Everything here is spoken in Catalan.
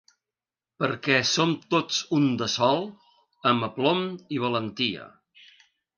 Perquè som tots un de sol, amb aplom i valentia.